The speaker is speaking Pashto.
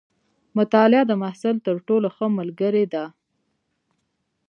مطالعه د محصل تر ټولو ښه ملګرې ده.